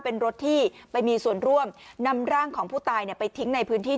เป็นรถที่ไปมีส่วนร่วมนำร่างของผู้ตายไปทิ้งในพื้นที่